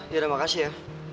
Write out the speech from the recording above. ya udah makasih ya